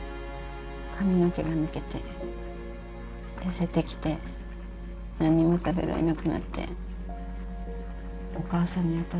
髪の毛が抜けて痩せてきて何にも食べられなくなってお母さんに当たるようになったの。